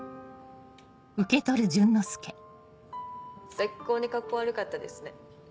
最高にカッコ悪かったですね。